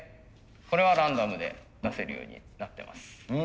これはランダムで出せるようになってます。